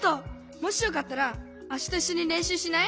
もしよかったらあしたいっしょにれんしゅうしない？